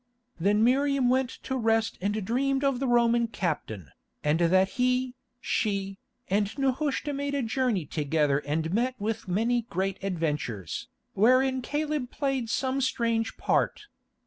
Then Miriam went to rest and dreamed of the Roman captain, and that he, she, and Nehushta made a journey together and met with many great adventures, wherein Caleb played some strange part.